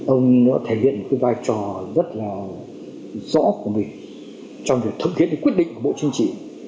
ông đã thể hiện một vai trò rất là rõ của mình trong việc thâm thiết quyết định của bộ chính trị